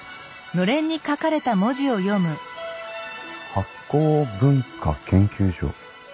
「醗酵文化研究所」。